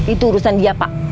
itu urusan dia pak